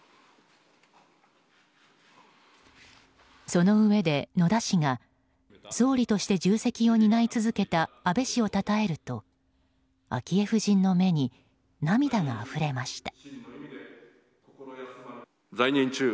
そのうえで野田氏が総理として重責を担い続けた安倍氏をたたえると昭恵夫人の目に涙があふれました。